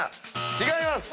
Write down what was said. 違います。